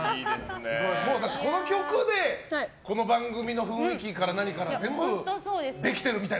この曲でこの番組の雰囲気から何から全部できてるみたいな。